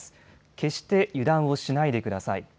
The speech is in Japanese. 決して油断をしないでください。